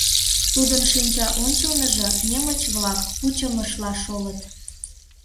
Тудын шинча ончылныжо немыч-влак пучымышла шолыт.